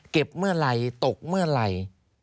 เมื่อไหร่ตกเมื่อไหร่